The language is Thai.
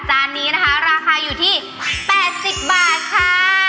จานนี้นะคะราคาอยู่ที่๘๐บาทค่ะ